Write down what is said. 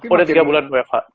udah tiga bulan wfh